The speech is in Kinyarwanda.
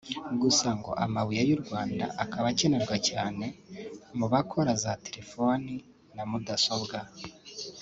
Gusa ngo amabuye y’u Rwanda kuba akenerwa cyane mu bakora za telefoni na mudasobwa